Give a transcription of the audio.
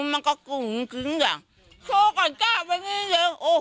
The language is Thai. อ๋อมันเข้มโอ้โหมันเข้มที่โฮที่ไข้เฮ้า